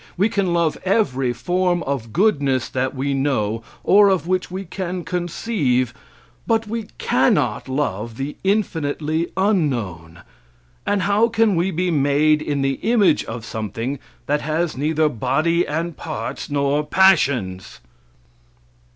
We can love every form of goodness that we know, or of which we can conceive, but we cannot love the infinitely unknown. And how can we be made in the image of something that has neither body and parts nor passions?